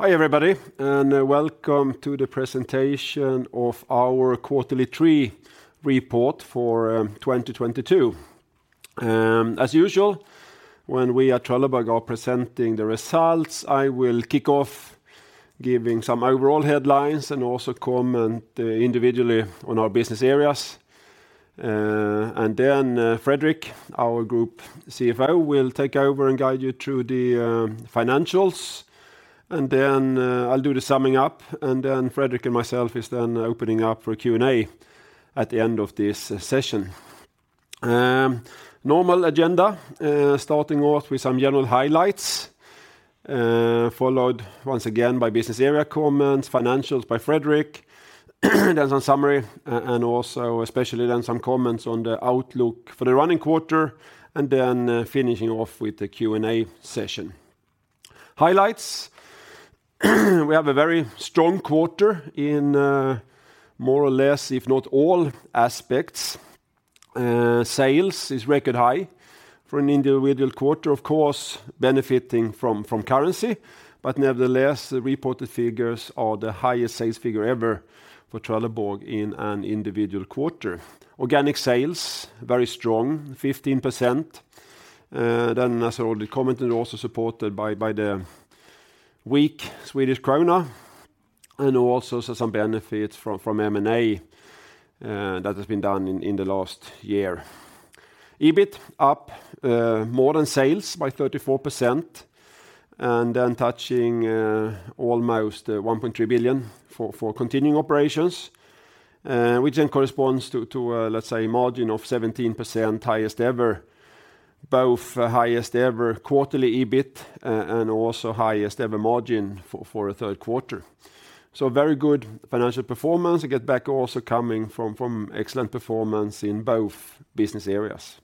Hi, everybody, and welcome to the presentation of our third quarter report for 2022. As usual, when we at Trelleborg are presenting the results, I will kick off giving some overall headlines and also comment individually on our business areas. Then Fredrik, our group CFO, will take over and guide you through the financials. I'll do the summing up, and then Fredrik and myself is then opening up for Q&A at the end of this session. Normal agenda, starting off with some general highlights, followed once again by business area comments, financials by Fredrik. Then some summary, and also especially then some comments on the outlook for the running quarter, and then finishing off with the Q&A session. Highlights. We have a very strong quarter in more or less, if not all aspects. Sales is record high for an individual quarter, of course, benefiting from currency. Nevertheless, the reported figures are the highest sales figure ever for Trelleborg in an individual quarter. Organic sales, very strong, 15%. Then as already commented, also supported by the weak Swedish krona, and also some benefits from M&A that has been done in the last year. EBIT up more than sales by 34%, and then touching almost 1.3 billion for continuing operations, which then corresponds to let's say margin of 17%, highest ever. Both highest ever quarterly EBIT and also highest ever margin for a third quarter. Very good financial performance. We get back also coming from excellent performance in both business areas.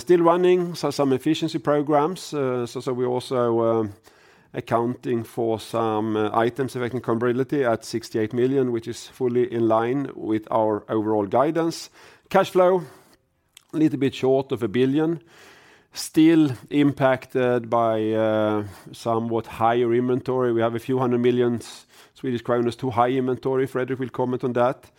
Still running some efficiency programs, we also accounting for some items affecting comparability at 68 million, which is fully in line with our overall guidance. Cash flow a little bit short of 1 billion. Still impacted by somewhat higher inventory. We have a few hundred million Swedish kronas too high inventory, Fredrik will comment on that,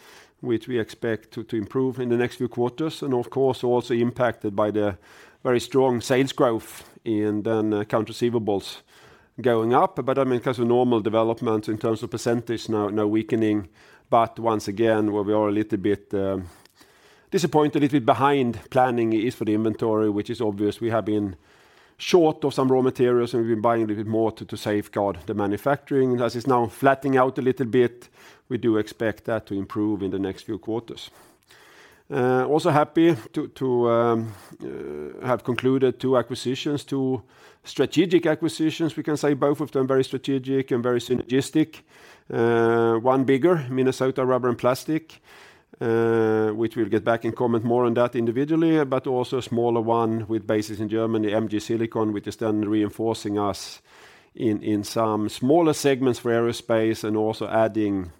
which we expect to improve in the next few quarters. Of course, also impacted by the very strong sales growth and then, accounts receivable going up. I mean, because of normal development in terms of percentage, no weakening. Once again, where we are a little bit disappointed, a little bit behind planning is for the inventory, which is obvious. We have been short of some raw materials, and we've been buying a little bit more to safeguard the manufacturing. As it's now flattening out a little bit, we do expect that to improve in the next few quarters. Also happy to have concluded two acquisitions, two strategic acquisitions, we can say, both of them very strategic and very synergistic. One bigger, Minnesota Rubber & Plastics, which we'll get back and comment more on that individually, but also a smaller one with bases in Germany, MG Silikon, which is then reinforcing us in some smaller segments for aerospace and also adding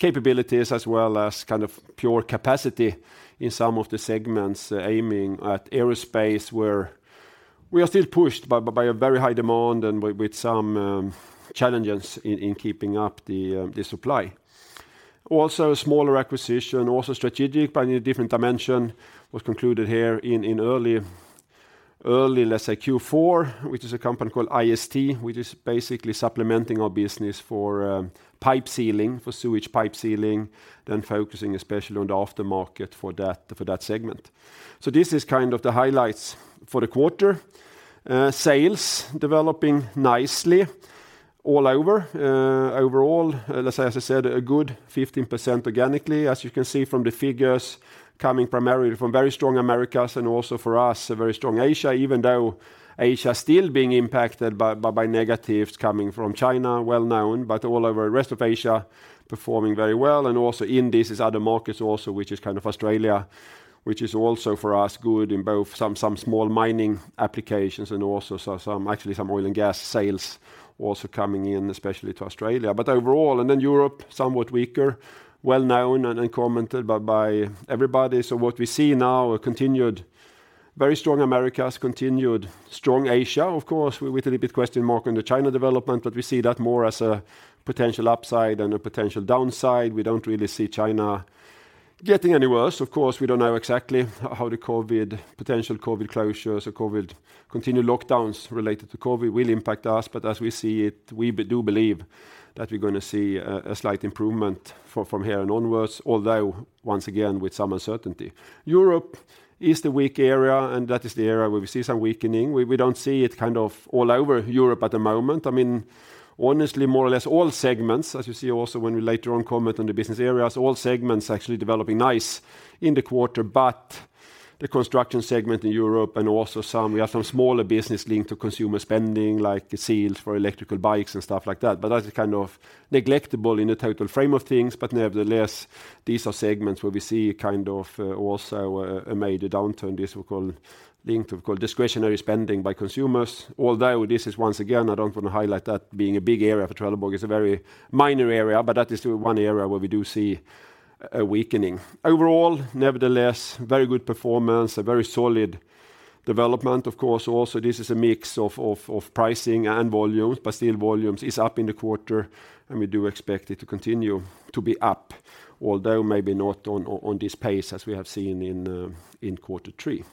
capabilities as well as kind of pure capacity in some of the segments aiming at aerospace, where we are still pushed by a very high demand and with some challenges in keeping up the supply. Also a smaller acquisition, also strategic, but in a different dimension, was concluded here in early, let's say Q4, which is a company called I.S.T., which is basically supplementing our business for pipe sealing, for sewage pipe sealing, then focusing especially on the aftermarket for that segment. So this is kind of the highlights for the quarter. Sales developing nicely all over. Overall, let's say, as I said, a good 15% organically, as you can see from the figures coming primarily from very strong Americas and also for us, a very strong Asia, even though Asia still being impacted by negatives coming from China, well known, but all over the rest of Asia, performing very well. Also in this is other markets also, which is kind of Australia, which is also for us good in both some small mining applications and some actually some oil and gas sales also coming in, especially to Australia. Overall, and then Europe, somewhat weaker, well known and then commented by everybody. What we see now, a continued very strong Americas, continued strong Asia, of course, with a little bit question mark on the China development, but we see that more as a potential upside than a potential downside. We don't really see China getting any worse. Of course, we don't know exactly how the COVID, potential COVID closures or COVID continued lockdowns related to COVID will impact us, but as we see it, we do believe that we're going to see a slight improvement from here and onwards, although once again, with some uncertainty. Europe is the weak area, and that is the area where we see some weakening. We don't see it kind of all over Europe at the moment. I mean, honestly, more or less all segments, as you see also when we later on comment on the business areas, all segments actually developing nice in the quarter. But the construction segment in Europe and also some smaller business linked to consumer spending, like seals for electric bikes and stuff like that. But that is kind of negligible in the total scheme of things. Nevertheless, these are segments where we see kind of also a major downturn. This we call discretionary spending by consumers. Although this is once again, I don't want to highlight that being a big area for Trelleborg. It's a very minor area, but that is the one area where we do see a weakening. Overall, nevertheless, very good performance, a very solid development. Of course, also this is a mix of pricing and volumes, but still volumes is up in the quarter, and we do expect it to continue to be up, although maybe not on this pace as we have seen in quarter three.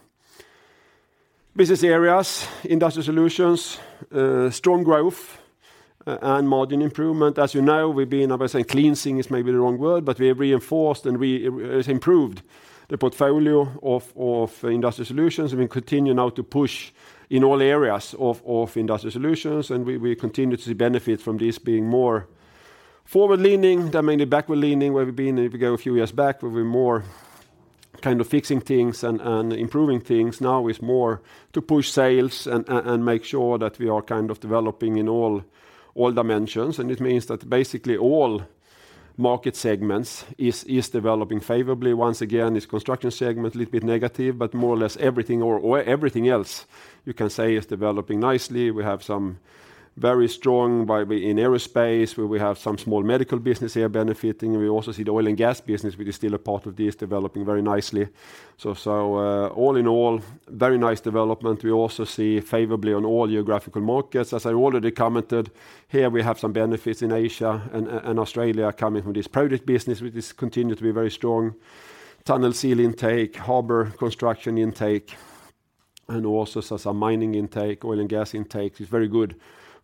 Business areas, Industrial Solutions, strong growth and margin improvement. As you know, we've been, I would say, cleansing is maybe the wrong word, but we have reinforced and it's improved the portfolio of Industrial Solutions, and we continue now to push in all areas of Industrial Solutions, and we continue to benefit from this being more forward-leaning than mainly backward-leaning, where we've been if we go a few years back. We've been more kind of fixing things and improving things. Now it's more to push sales and make sure that we are kind of developing in all dimensions. It means that basically all market segments is developing favorably. Once again, this construction segment a little bit negative, but more or less everything or everything else you can say is developing nicely. We have some very strong headway in aerospace, where we have some small medical business here benefiting. We also see the oil and gas business, which is still a part of this, developing very nicely. All in all, very nice development. We also see favorably on all geographical markets. As I already commented, here we have some benefits in Asia and Australia coming from this project business, which is continued to be very strong. Tunnel seal intake, harbor construction intake, and also some mining intake, oil and gas intake is very good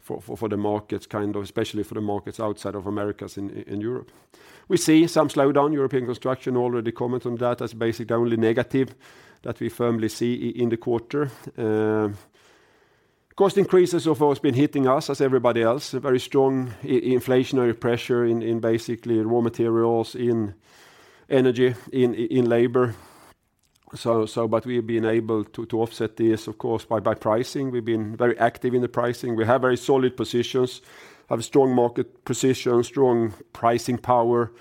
for the markets kind of, especially for the markets outside of Americas and Europe. We see some slowdown. European construction already commented on that. That's basically the only negative that we firmly see in the quarter. Cost increases have always been hitting us as everybody else. A very strong inflationary pressure in basically raw materials, in energy, in labor. But we've been able to offset this, of course, by pricing. We've been very active in the pricing. We have very solid positions, have strong market position, strong pricing power,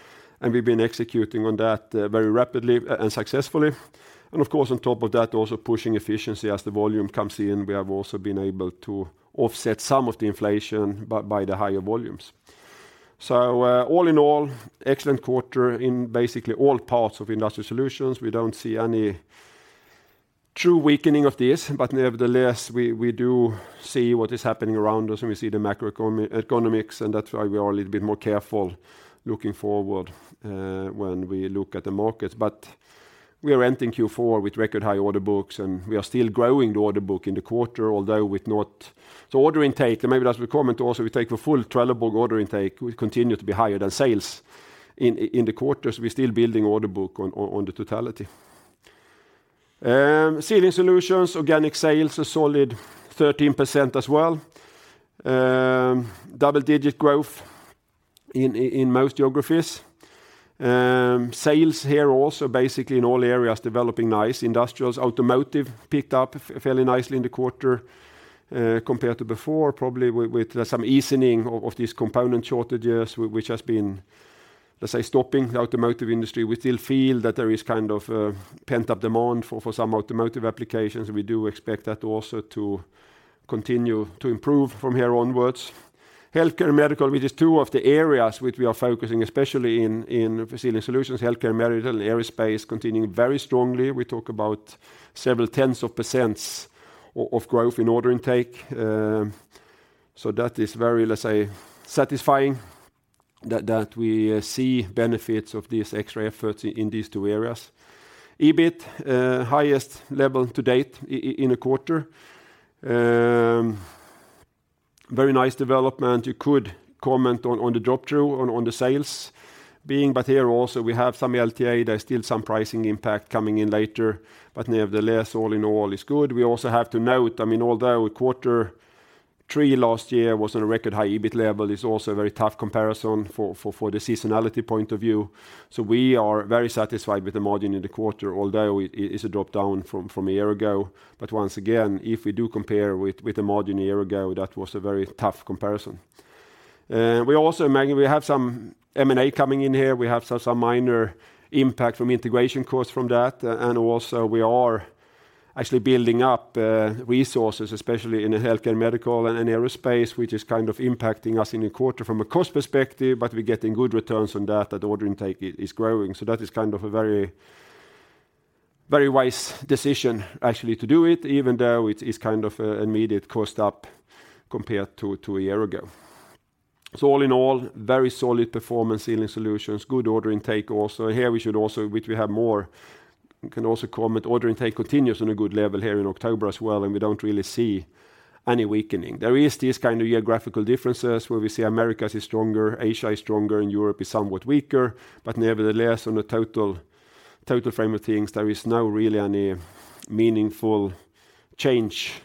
and we've been executing on that very rapidly and successfully. Of course, on top of that, also pushing efficiency as the volume comes in. We have also been able to offset some of the inflation by the higher volumes. All in all, excellent quarter in basically all parts of Industrial Solutions. We don't see any true weakening of this, but nevertheless, we do see what is happening around us, and we see the macroeconomics, and that's why we are a little bit more careful looking forward when we look at the markets. We are ending Q4 with record high order books, and we are still growing the order book in the quarter. Order intake, and maybe that's a comment also, we take the full Trelleborg order intake will continue to be higher than sales in the quarters. We're still building order book on the totality. Sealing Solutions, organic sales a solid 13% as well. Double-digit growth in most geographies. Sales here also basically in all areas developing nice. Industrials, automotive picked up fairly nicely in the quarter, compared to before, probably with some easing of these component shortages which has been, let's say, stopping the automotive industry. We still feel that there is kind of a pent-up demand for some automotive applications. We do expect that also to continue to improve from here onwards. Healthcare and medical, which is two of the areas which we are focusing, especially in Sealing Solutions, healthcare and medical, aerospace continuing very strongly. We talk about several 10s of percents of growth in order intake. So that is very, let's say, satisfying that we see benefits of these extra efforts in these two areas. EBIT, highest level to date in a quarter. Very nice development. You could comment on the drop-through on the sales being, but here also we have some LTA. There's still some pricing impact coming in later. Nevertheless, all in all, it's good. We also have to note, I mean, although quarter three last year was on a record high EBIT level, it's also a very tough comparison for the seasonality point of view. We are very satisfied with the margin in the quarter, although it's a drop down from a year ago. Once again, if we do compare with the margin a year ago, that was a very tough comparison. We also, I mean, we have some M&A coming in here. We have some minor impact from integration costs from that. And also we are actually building up resources, especially in the healthcare and medical and in aerospace, which is kind of impacting us in the quarter from a cost perspective, but we're getting good returns on that, order intake is growing. That is kind of a very, very wise decision actually to do it, even though it is kind of immediate cost up compared to a year ago. All in all, very solid performance Sealing Solutions, good order intake also. Order intake continues on a good level here in October as well, and we don't really see any weakening. There are these kind of geographical differences where we see Americas is stronger, Asia is stronger, and Europe is somewhat weaker. Nevertheless, on the total frame of things, there is no really any meaningful change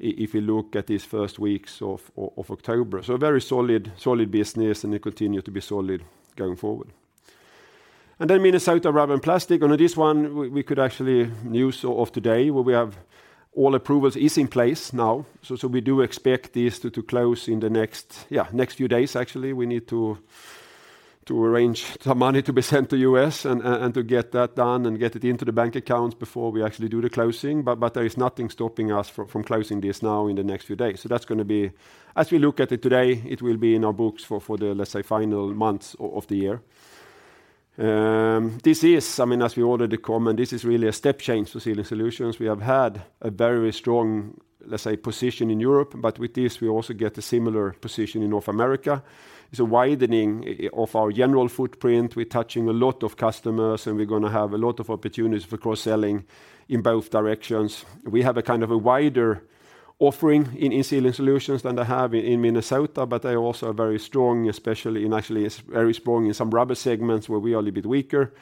if you look at these first weeks of October. A very solid business, and it continue to be solid going forward. Then Minnesota Rubber & Plastics. On this one, we have actual news of today, where we have all approvals is in place now. We do expect this to close in the next few days, actually. We need to arrange some money to be sent to U.S. and to get that done and get it into the bank accounts before we actually do the closing. There is nothing stopping us from closing this now in the next few days. That's gonna be, as we look at it today, it will be in our books for the, let's say, final months of the year. This is, I mean, as we already commented, this is really a step change for Sealing Solutions. We have had a very strong, let's say, position in Europe, but with this, we also get a similar position in North America. It's a widening of our general footprint. We're touching a lot of customers, and we're gonna have a lot of opportunities for cross-selling in both directions. We have a kind of a wider offering in Sealing Solutions than they have in Minnesota, but they also are very strong, especially actually is very strong in some rubber segments where we are a little bit weaker.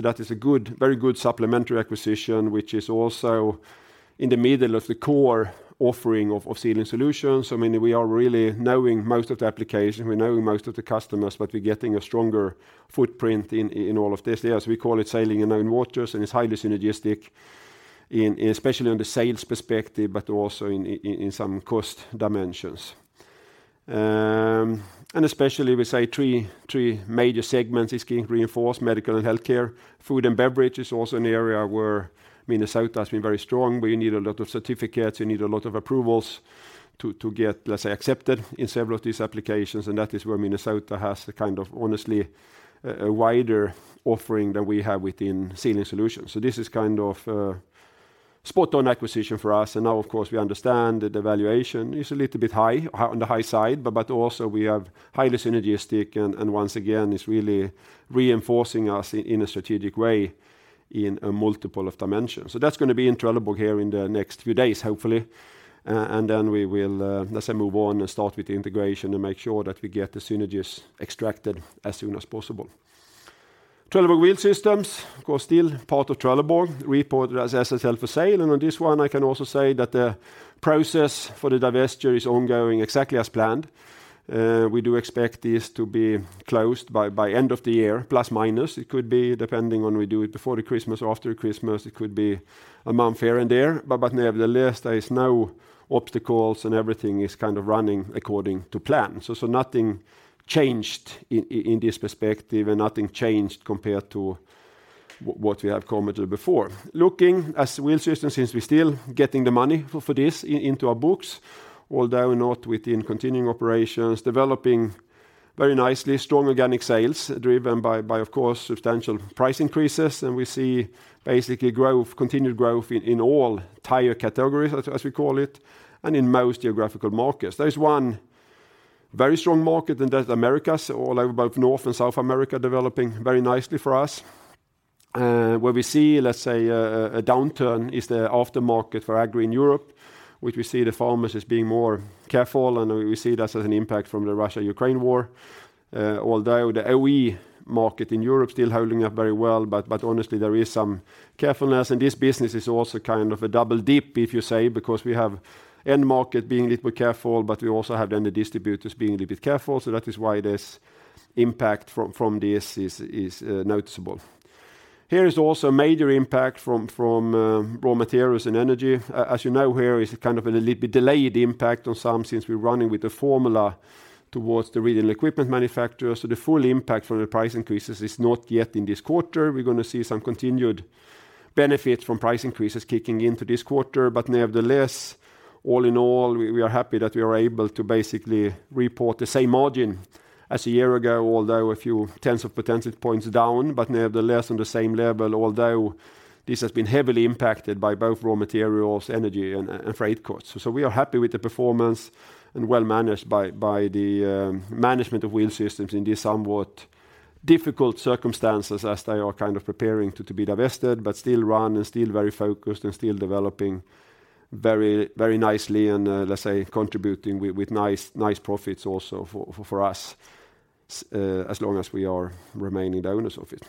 That is a good, very good supplementary acquisition, which is also in the middle of the core offering of Sealing Solutions. I mean, we are really knowing most of the application, we're knowing most of the customers, but we're getting a stronger footprint in all of this. Yes, we call it sailing in own waters, and it's highly synergistic, especially on the sales perspective, but also in some cost dimensions. Especially we say three major segments is getting reinforced, medical and healthcare. Food and beverage is also an area where Minnesota has been very strong, but you need a lot of certificates, you need a lot of approvals to get, let's say, accepted in several of these applications. That is where Minnesota has a kind of, honestly, a wider offering than we have within Sealing Solutions. This is kind of spot on acquisition for us. Now of course, we understand that the valuation is a little bit high, on the high side, but also we have highly synergistic and once again, it's really reinforcing us in a strategic way in a multiple of dimensions. That's gonna be in Trelleborg here in the next few days, hopefully. We will, let's say, move on and start with the integration and make sure that we get the synergies extracted as soon as possible. Trelleborg Wheel Systems, of course, still part of Trelleborg, reported as held for sale. On this one, I can also say that the process for the divestiture is ongoing exactly as planned. We do expect this to be closed by end of the year, plus, minus. It could be depending on we do it before Christmas or after Christmas, it could be a month here and there. Nevertheless, there is no obstacles, and everything is kind of running according to plan. Nothing changed in this perspective and nothing changed compared to what we have commented before. Looking at Wheel Systems, since we're still getting the money for this into our books, although not within continuing operations, developing very nicely, strong organic sales driven by, of course, substantial price increases. We see basically growth, continued growth in all tire categories, as we call it, and in most geographical markets. There is one very strong market, and that's the Americas, all over both North and South America, developing very nicely for us. Where we see, let's say, a downturn is the aftermarket for agri in Europe, which we see the farmers as being more careful, and we see that as an impact from the Russia-Ukraine war. Although the OE market in Europe still holding up very well, but honestly, there is some carefulness. This business is also kind of a double dip, if you say, because we have end market being a little bit careful, but we also have then the distributors being a little bit careful. That is why this impact from this is noticeable. Here is also a major impact from raw materials and energy. As you know, here is kind of a little bit delayed impact on some since we're running with the formula towards the regional equipment manufacturer. The full impact from the price increases is not yet in this quarter. We're gonna see some continued benefit from price increases kicking into this quarter. Nevertheless, all in all, we are happy that we are able to basically report the same margin as a year ago, although a few tenths of percentage points down, but nevertheless on the same level, although this has been heavily impacted by both raw materials, energy and freight costs. We are happy with the performance and well managed by the management of Wheel Systems in these somewhat difficult circumstances as they are kind of preparing to be divested, but still run and still very focused and still developing very nicely and let's say, contributing with nice profits also for us as long as we are remaining the owners of it.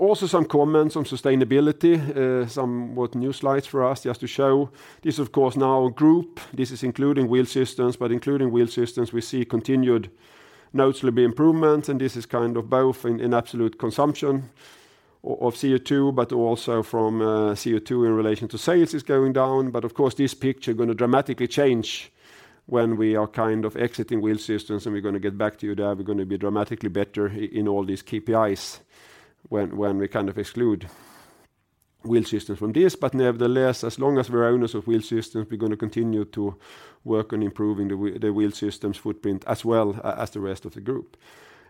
Also some comments on sustainability, somewhat new slides for us just to show. This, of course, now group. This is including Wheel Systems, we see continued notable improvements, and this is kind of both in absolute consumption of CO2, but also the CO2 in relation to sales is going down. Of course, this picture gonna dramatically change when we are kind of exiting Wheel Systems, and we're gonna get back to you there. We're gonna be dramatically better in all these KPIs when we kind of exclude Wheel Systems from this. Nevertheless, as long as we're owners of Wheel Systems, we're gonna continue to work on improving the Wheel Systems footprint as well as the rest of the group.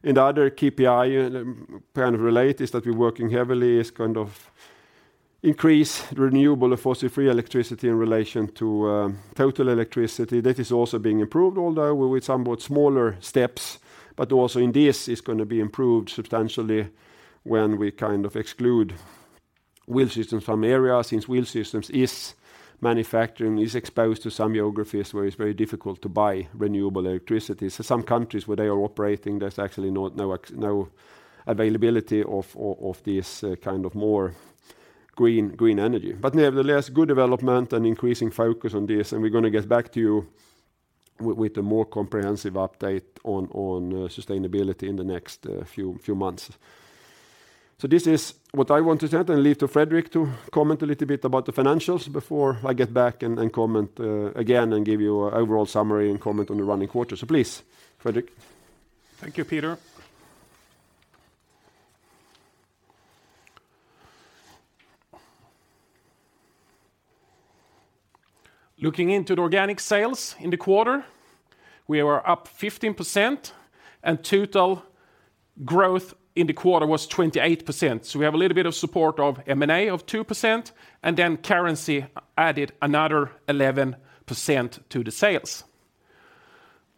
In the other KPI related is that we're working heavily on increasing renewable and fossil-free electricity in relation to total electricity. That is also being improved, although with somewhat smaller steps, but also in this is gonna be improved substantially when we kind of exclude Wheel Systems from areas since Wheel Systems is manufacturing, is exposed to some geographies where it's very difficult to buy renewable electricity. Some countries where they are operating, there's actually no availability of this kind of more green energy. But nevertheless, good development and increasing focus on this, and we're gonna get back to you with a more comprehensive update on sustainability in the next few months. This is what I want to say and leave to Fredrik to comment a little bit about the financials before I get back and comment again and give you overall summary and comment on the running quarter. Please, Fredrik. Thank you, Peter. Looking into the organic sales in the quarter, we were up 15% and total growth in the quarter was 28%. We have a little bit of support of M&A of 2%, and then currency added another 11% to the sales.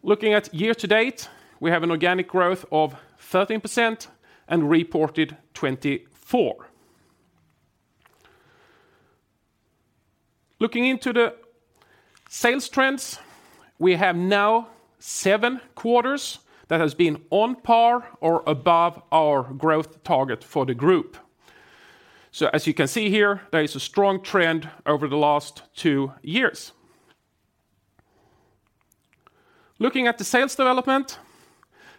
Looking at year-to-date, we have an organic growth of 13% and reported 24. Looking into the sales trends, we have now seven quarters that has been on par or above our growth target for the group. As you can see here, there is a strong trend over the last two years. Looking at the sales development,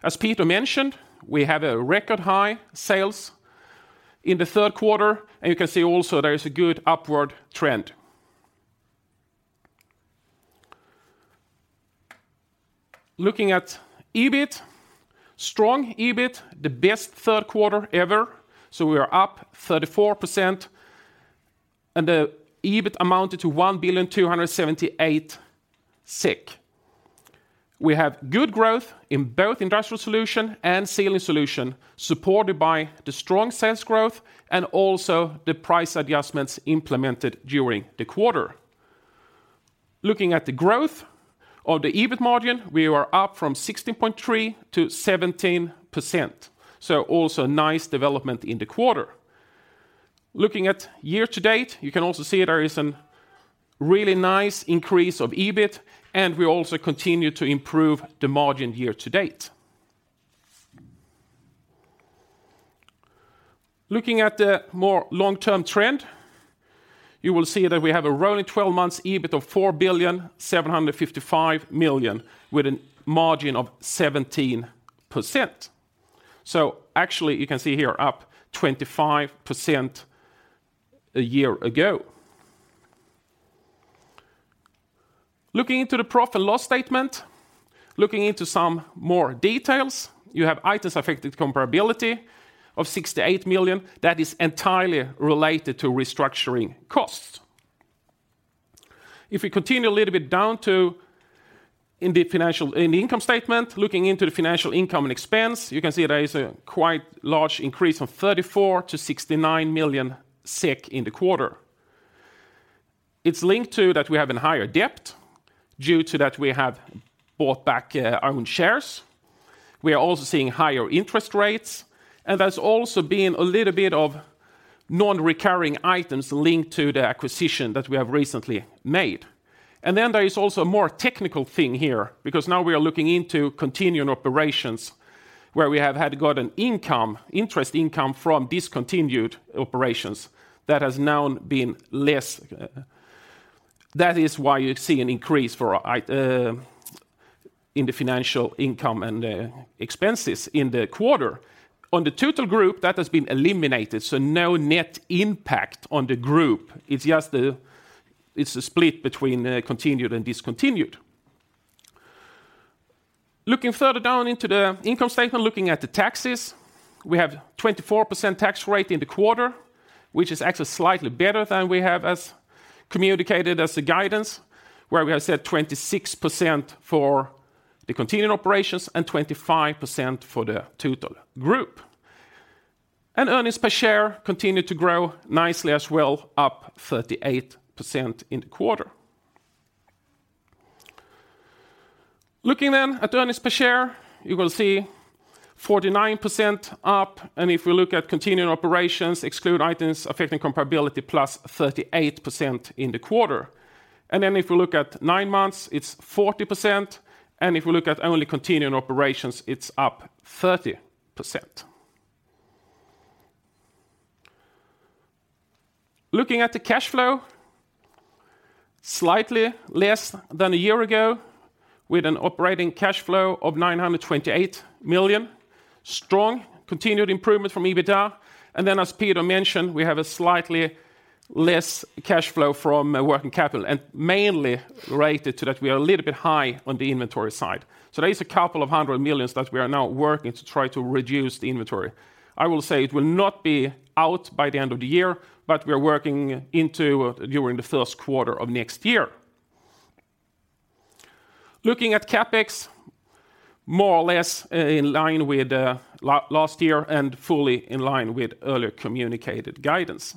as Peter mentioned, we have a record-high sales in the third quarter, and you can see also there is a good upward trend. Looking at EBIT, strong EBIT, the best third quarter ever, we are up 34% and the EBIT amounted to 1,278,000,000. We have good growth in both Industrial Solutions and Sealing Solutions, supported by the strong sales growth and also the price adjustments implemented during the quarter. Looking at the growth of the EBIT margin, we were up from 16.3%-17%, also nice development in the quarter. Looking at year-to-date, you can also see there is a really nice increase of EBIT, and we also continue to improve the margin year-to-date. Looking at the more long-term trend, you will see that we have a rolling twelve months EBIT of 4,755,000,000, with a margin of 17%. Actually, you can see here up 25% a year ago. Looking into the profit and loss statement, looking into some more details, you have items affecting comparability of 68 million that is entirely related to restructuring costs. If we continue a little bit down to in the income statement, looking into the financial income and expense, you can see there is a quite large increase of 34 million to 69 million SEK in the quarter. It's linked to that we have a higher debt due to that we have bought back own shares. We are also seeing higher interest rates, and there's also been a little bit of non-recurring items linked to the acquisition that we have recently made. Then there is also a more technical thing here, because now we are looking into continuing operations where we have had gotten income, interest income from discontinued operations that has now been less. That is why you see an increase for item in the financial income and expenses in the quarter. On the total group, that has been eliminated, so no net impact on the group. It's just the split between continued and discontinued. Looking further down into the income statement, looking at the taxes, we have 24% tax rate in the quarter, which is actually slightly better than we have as communicated as a guidance, where we have said 26% for the continuing operations and 25% for the total group. Earnings per share continued to grow nicely as well, up 38% in the quarter. Looking then at earnings per share, you will see 49% up, and if we look at continuing operations, exclude items affecting comparability +38% in the quarter. If we look at nine months, it's 40%, and if we look at only continuing operations, it's up 30%. Looking at the cash flow, slightly less than a year ago with an operating cash flow of 928 million. Strong continued improvement from EBITDA. As Peter mentioned, we have a slightly less cash flow from working capital, and mainly related to that, we are a little bit high on the inventory side. There is a couple of hundred million that we are now working to try to reduce the inventory. I will say it will not be out by the end of the year, but we are working on it during the first quarter of next year. Looking at CapEx, more or less in line with last year and fully in line with earlier communicated guidance.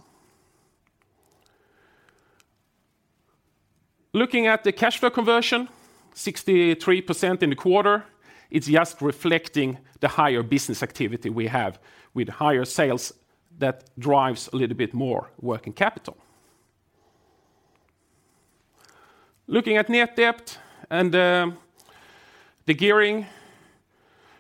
Looking at the cash flow conversion, 63% in the quarter, it's just reflecting the higher business activity we have with higher sales that drives a little bit more working capital. Looking at net debt and the gearing,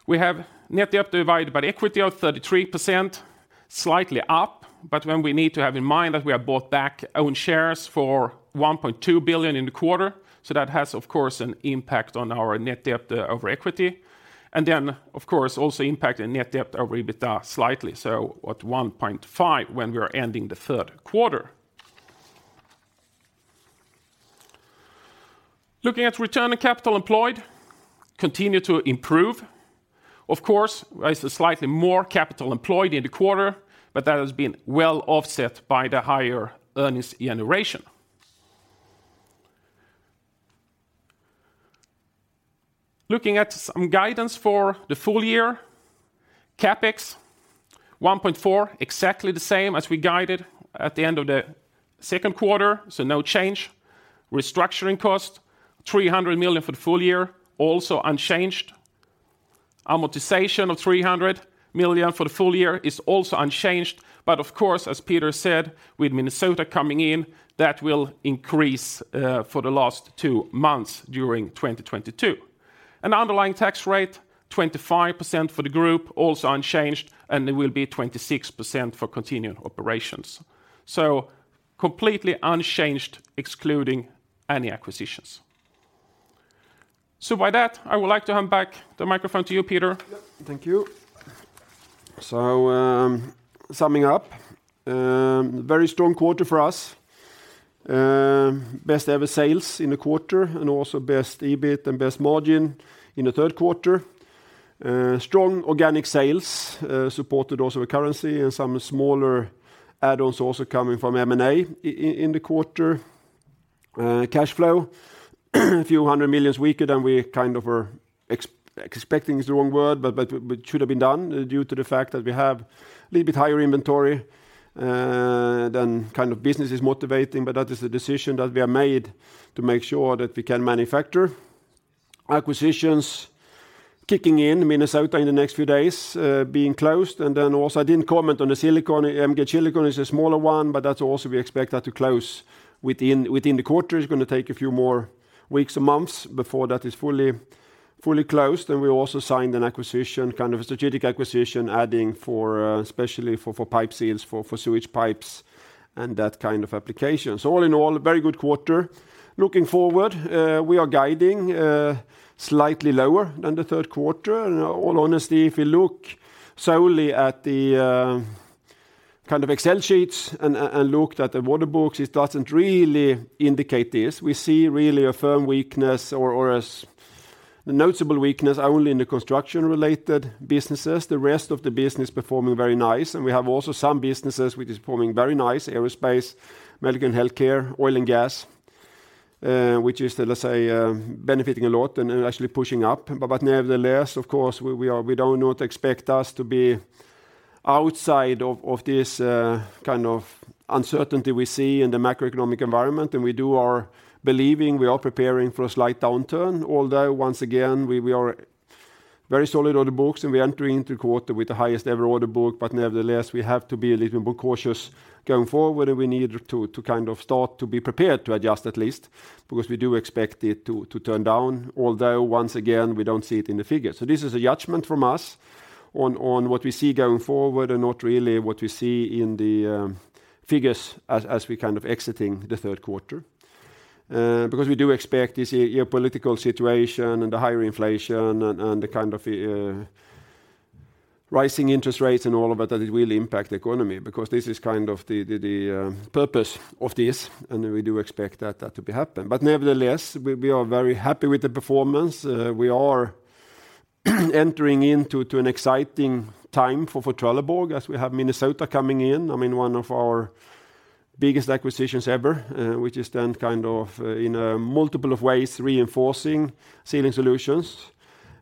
we have net debt divided by the equity of 33%, slightly up, but we need to have in mind that we have bought back own shares for 1.2 billion in the quarter, so that has of course an impact on our net debt over equity. Then of course, also impact on net debt over EBITDA slightly, so at 1.5 when we are ending the third quarter. Looking at return on capital employed continue to improve. Of course, there's slightly more capital employed in the quarter, but that has been well offset by the higher earnings generation. Looking at some guidance for the full year, CapEx 1.4, exactly the same as we guided at the end of the second quarter, so no change. Restructuring cost 300 million for the full year, also unchanged. Amortization of 300 million for the full year is also unchanged, but of course, as Peter said, with Minnesota coming in, that will increase for the last two months during 2022. Underlying tax rate 25% for the group, also unchanged, and it will be 26% for continued operations. Completely unchanged excluding any acquisitions. By that, I would like to hand back the microphone to you, Peter. Yep. Thank you. Summing up, very strong quarter for us. Best ever sales in the quarter, and also best EBIT and best margin in the third quarter. Strong organic sales, supported also with currency and some smaller add-ons also coming from M&A in the quarter. Cash flow a few hundred million weaker than we kind of were expecting is the wrong word, but it should have been done due to the fact that we have a little bit higher inventory than kind of business is motivating. But that is the decision that we have made to make sure that we can manufacture. Acquisitions kicking in, Minnesota in the next few days being closed. I didn't comment on the Silikon, MG Silikon. It's a smaller one, but that's also we expect that to close within the quarter. It's gonna take a few more weeks or months before that is fully closed. We also signed an acquisition, kind of a strategic acquisition adding for, especially for pipe seals, for sewage pipes and that kind of application. All in all, a very good quarter. Looking forward, we are guiding slightly lower than the third quarter. In all honesty, if you look solely at the kind of Excel sheets and looked at the order books, it doesn't really indicate this. We see really a firm weakness or a notable weakness only in the construction-related businesses. The rest of the business performing very nice. We have also some businesses which is performing very nice, aerospace, medical and healthcare, oil and gas, which is, let's say, benefiting a lot and actually pushing up. But nevertheless, of course, we don't want you to expect us to be outside of this kind of uncertainty we see in the macroeconomic environment, and we do believe we are preparing for a slight downturn. Although, once again, we have very solid order books, and we're entering into the quarter with the highest ever order book. But nevertheless, we have to be a little bit cautious going forward, and we need to kind of start to be prepared to adjust at least because we do expect it to turn down. Although, once again, we don't see it in the figures. This is a judgment from us on what we see going forward and not really what we see in the figures as we're kind of exiting the third quarter. Because we do expect this geopolitical situation and the higher inflation and the kind of rising interest rates and all of that it will impact the economy because this is kind of the purpose of this, and we do expect that to happen. Nevertheless, we are very happy with the performance. We are entering into an exciting time for Trelleborg as we have Minnesota coming in. I mean, one of our biggest acquisitions ever, which is then kind of in a multiple of ways reinforcing Sealing Solutions.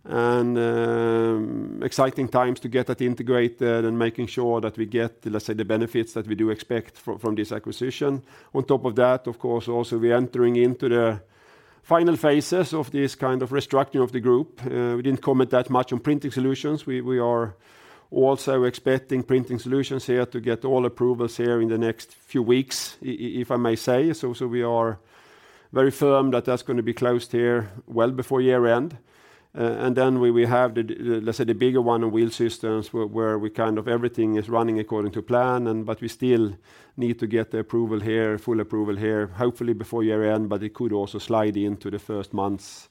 Exciting times to get that integrated and making sure that we get, let's say, the benefits that we do expect from this acquisition. On top of that, of course, also we're entering into the final phases of this kind of restructuring of the group. We didn't comment that much on Printing Solutions. We are also expecting Printing Solutions here to get all approvals here in the next few weeks if I may say. We are very firm that that's gonna be closed here well before year-end. We have the, let's say, the bigger one in Wheel Systems where everything is running according to plan but we still need to get the full approval here, hopefully before year-end, but it could also slide into the first months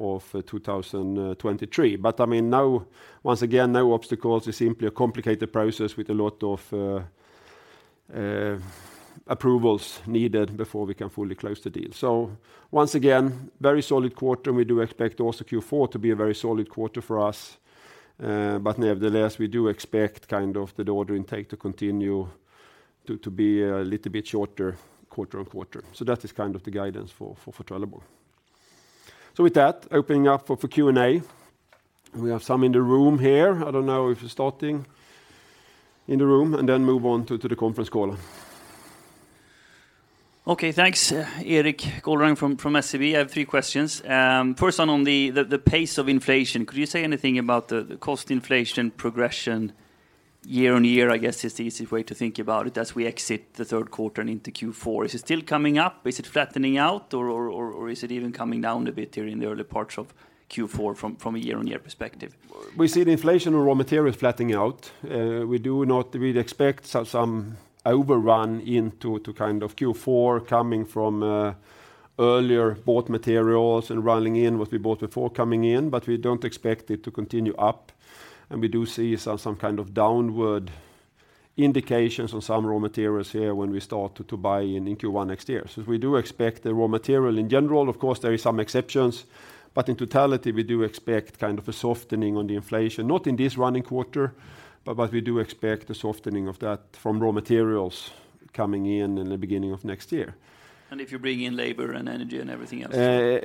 of 2023. I mean, once again, no obstacles. It's simply a complicated process with a lot of approvals needed before we can fully close the deal. Once again, very solid quarter, and we do expect also Q4 to be a very solid quarter for us. Nevertheless, we do expect kind of the order intake to continue to be a little bit shorter quarter-over-quarter. That is kind of the guidance for Trelleborg. With that, opening up for Q&A. We have some in the room here. I don't know if we're starting in the room and then move on to the conference call. Okay, thanks, Erik Golrang from SEB. I have three questions. First one on the pace of inflation. Could you say anything about the cost inflation progression year-on-year, I guess, is the easiest way to think about it, as we exit the third quarter and into Q4? Is it still coming up? Is it flattening out? Or is it even coming down a bit here in the early parts of Q4 from a year-on-year perspective? We see the inflation of raw materials flattening out. We do not really expect some overrun into to kind of Q4 coming from earlier bought materials and rolling in what we bought before coming in, but we don't expect it to continue up, and we do see some kind of downward indications on some raw materials here when we start to buy in Q1 next year. We do expect the raw material in general, of course, there is some exceptions, but in totality, we do expect kind of a softening on the inflation, not in this running quarter, but we do expect a softening of that from raw materials coming in in the beginning of next year. If you bring in labor and energy and everything else in.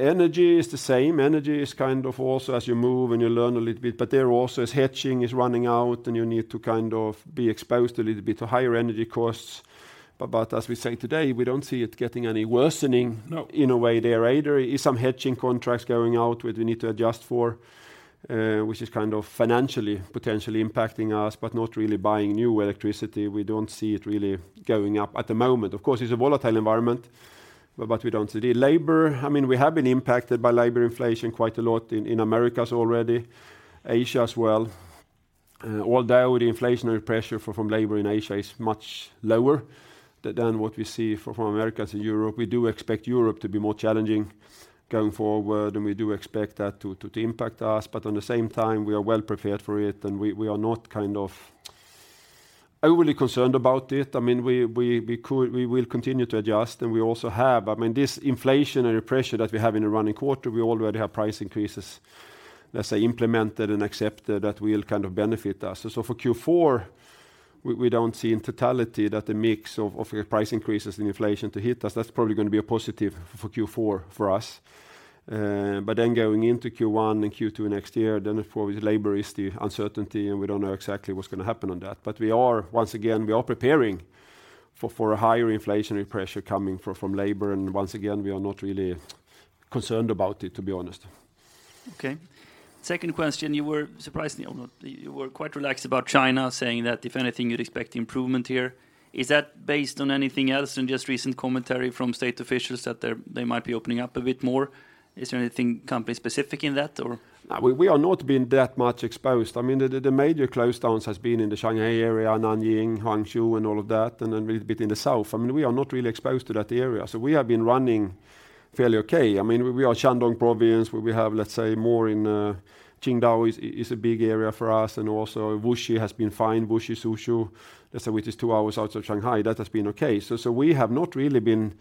Energy is the same. Energy is kind of also as you move and you learn a little bit, but there also is hedging is running out, and you need to kind of be exposed a little bit to higher energy costs. As we say today, we don't see it getting any worsening. No... in a way there either. There are some hedging contracts going out which we need to adjust for, which is kind of financially potentially impacting us, but not really buying new electricity. We don't see it really going up at the moment. Of course, it's a volatile environment, but we don't see it. Labor, I mean, we have been impacted by labor inflation quite a lot in Americas already, Asia as well. Although the inflationary pressure from labor in Asia is much lower than what we see from Americas and Europe. We do expect Europe to be more challenging going forward, and we do expect that to impact us. At the same time, we are well prepared for it, and we are not kind of overly concerned about it. I mean, we will continue to adjust, and we also have. I mean, this inflationary pressure that we have in the running quarter, we already have price increases, let's say, implemented and accepted that will kind of benefit us. For Q4, we don't see in totality that the mix of price increases in inflation to hit us. That's probably gonna be a positive for Q4 for us. But then going into Q1 and Q2 next year, then for labor is the uncertainty, and we don't know exactly what's gonna happen on that. We are, once again, preparing for a higher inflationary pressure coming from labor, and once again, we are not really concerned about it, to be honest. Okay. Second question, you were surprisingly, or not, quite relaxed about China saying that if anything, you'd expect improvement here. Is that based on anything else than just recent commentary from state officials that they might be opening up a bit more? Is there anything company specific in that or? No, we have not been that much exposed. I mean, the major lockdowns has been in the Shanghai area, Nanjing, Hangzhou, and all of that, and then a little bit in the south. I mean, we are not really exposed to that area, so we have been running fairly okay. I mean, we are Shandong Province, where we have, let's say, more in Qingdao, which is a big area for us, and also Wuxi has been fine. Wuxi, Suzhou, let's say, which is two hours out of Shanghai. That has been okay. We have not really been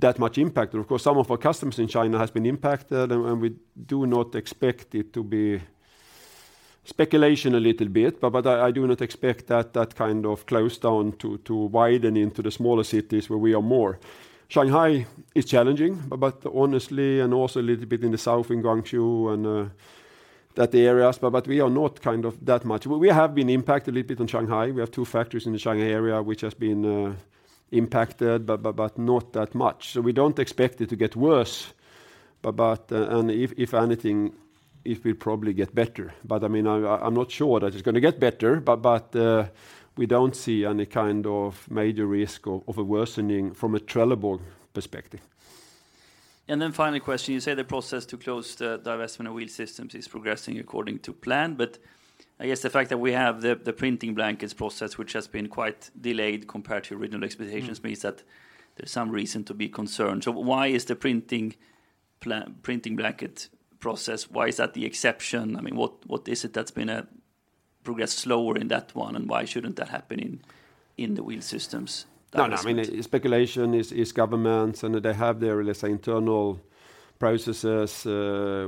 that much impacted. Of course, some of our customers in China has been impacted, and we do not expect it, speculating a little bit, but I do not expect that kind of lockdown to widen into the smaller cities where we are more. Shanghai is challenging, but honestly, and also a little bit in the south in Guangzhou and those areas, but we are not kind of that much. We have been impacted a little bit in Shanghai. We have two factories in the Shanghai area which has been impacted, but not that much. We don't expect it to get worse, but and if anything, it will probably get better. I mean, I'm not sure that it's gonna get better, but we don't see any kind of major risk of a worsening from a Trelleborg perspective. Final question, you say the process to close the divestment of Wheel Systems is progressing according to plan. I guess the fact that we have the printing blankets process, which has been quite delayed compared to your original expectations means that there's some reason to be concerned. Why is the printing blanket process, why is that the exception? I mean, what is it that's been progressed slower in that one, and why shouldn't that happen in the Wheel Systems divestment? No, no, I mean, speculation is governments, and they have their, let's say, internal processes,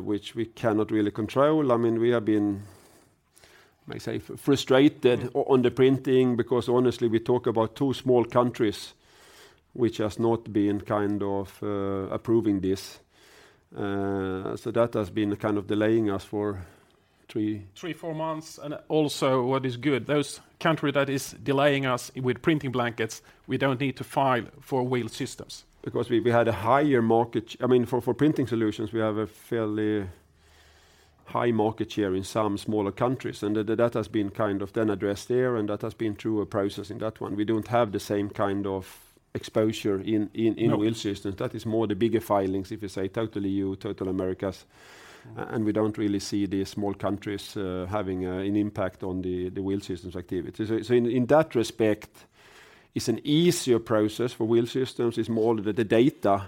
which we cannot really control. I mean, we have been, let me say, frustrated on the printing because honestly, we talk about two small countries which has not been kind of approving this. So that has been kind of delaying us for three- three to four months, and also what is good, those countries that is delaying us with printing blankets, we don't need to feel for Wheel Systems. Because we had a higher market. I mean, for Printing Solutions, we have a fairly high market share in some smaller countries, and that has been kind of then addressed there, and that has been through a process in that one. We don't have the same kind of exposure in Wheel Systems. No. That is more the bigger filings, if you say, total EU, total Americas. And we don't really see the small countries having an impact on the Wheel Systems activities. In that respect, it's an easier process for Wheel Systems. It's more the data